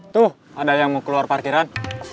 tuh ada yang mau keluar parkiran